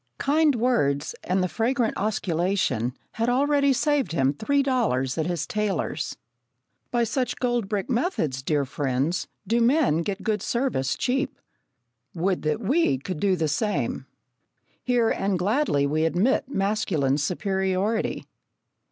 Kind words and the fragrant osculation had already saved him three dollars at his tailor's. By such gold brick methods, dear friends, do men get good service cheap. Would that we could do the same! Here, and gladly, we admit masculine superiority.